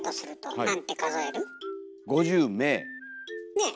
ねえ？